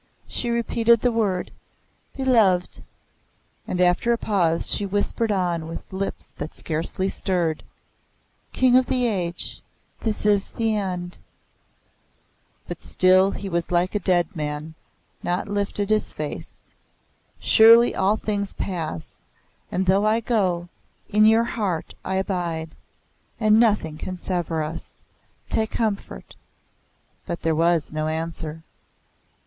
She repeated the word, "Beloved"; and after a pause she whispered on with lips that scarcely stirred, "King of the Age, this is the end." But still he was like a dead man, nor lifted his face. "Surely all things pass. And though I go, in your heart I abide, and nothing can sever us. Take comfort." But there was no answer.